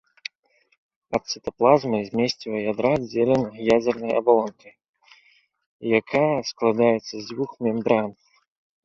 Ад цытаплазмы змесціва ядра аддзелена ядзернай абалонкай, якая складаецца з дзвюх мембран.